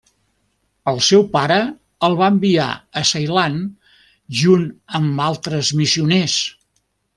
El seu pare el va enviar a Ceilan junt amb altres missioners.